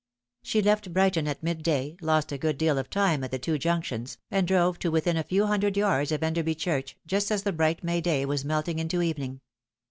She left Brighton at midday, lost a good deal of time at the two junctions, and drove to within a few hundred yards of Enderby Church just as the bright May day was melting into evening.